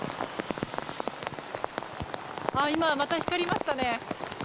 今、また光りましたね。